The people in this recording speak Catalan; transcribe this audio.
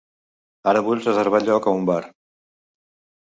Ara vull reservar lloc a un bar.